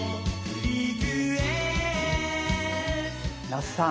那須さん